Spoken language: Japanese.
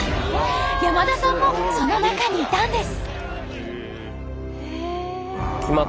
山田さんもその中にいたんです。